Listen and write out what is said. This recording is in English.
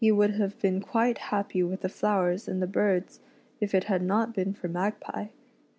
would have beep .quite happy with the flowers and the birds it it had noc been for Magpie.